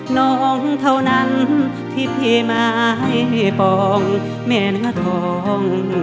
น้องเท่านั้นที่พี่ไม้ปองแม่หน้าทอง